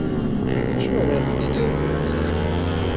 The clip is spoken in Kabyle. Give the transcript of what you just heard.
D acu ara d tiniḍ i umsiher?